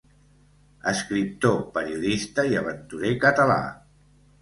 Escriptor, periodista i aventurer català.